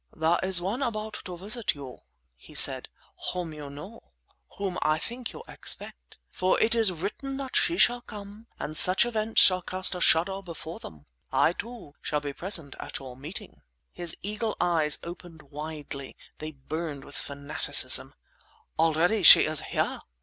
"There is one about to visit you," he said, "whom you know, whom I think you expect. For it is written that she shall come and such events cast a shadow before them. I, too, shall be present at your meeting!" His eagle eyes opened widely; they burned with fanaticism. "Already she is here!"